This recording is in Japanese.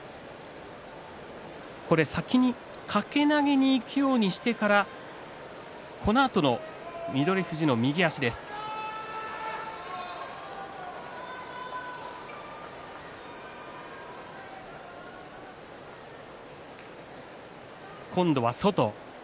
これ先に掛け投げにいくようにしてからこのあとの翠富士の右足です。今度は外。